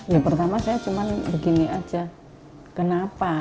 ya pertama saya cuma begini aja kenapa